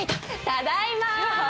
ただいま！